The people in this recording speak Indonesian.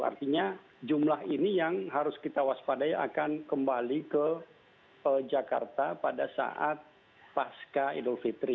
artinya jumlah ini yang harus kita waspadai akan kembali ke jakarta pada saat pasca idul fitri